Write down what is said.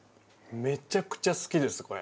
めちゃくちゃ好きですこれ。